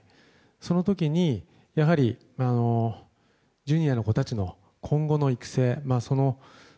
その時に、やはりＪｒ．の子たちの今後の育成。